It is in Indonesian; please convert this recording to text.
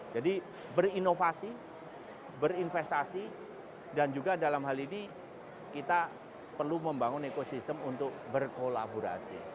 jadi berinovasi berinvestasi dan juga dalam hal ini kita perlu membangun ekosistem untuk berkolaborasi